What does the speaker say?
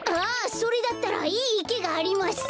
それだったらいいいけがあります。